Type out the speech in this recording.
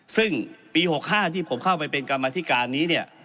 ซึ่งปี๖๕ที่ผมเข้าไปเป็นกรรมธิการนี้เนี่ย